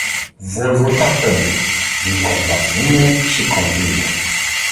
Voi vota pentru, din compasiune și convingere.